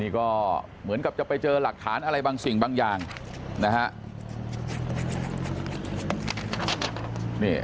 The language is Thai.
ก็เหมือนกับจะไปเจอหลักฐานอะไรบางสิ่งบางอย่างนะฮะ